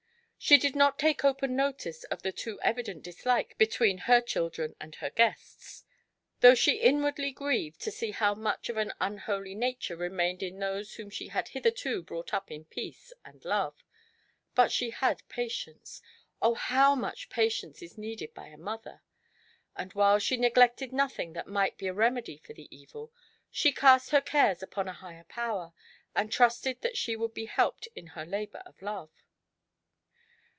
She did not take open notice of the too evident dislike between her chil dren and her guests, though she inwardly grieved to see how much of an unholy nature remained in those whom she had hitherto brought up in peace and love; but she had patience — oh, how much patience is needed by a mother! — and while she neglected nothing that might be a remedy for the evil, she cast her cares upon a higher Power, and trusted that she would be helped in her labour of love.